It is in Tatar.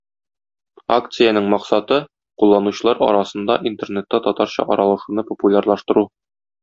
Акциянең максаты - кулланучылар арасында Интернетта татарча аралашуны популярлаштыру.